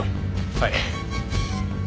はい。